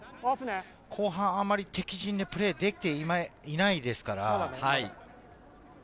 後半あまり敵陣でプレーできていないですから。